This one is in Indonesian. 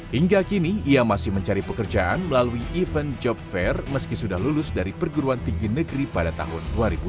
hingga kini ia masih mencari pekerjaan melalui event job fair meski sudah lulus dari perguruan tinggi negeri pada tahun dua ribu dua puluh